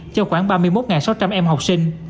cho khoảng ba mươi một sáu trăm linh em học sinh